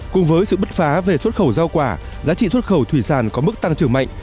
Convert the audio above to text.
cùng với sự bứt phá về xuất khẩu rau quả giá trị xuất khẩu thủy sản có mức tăng trưởng mạnh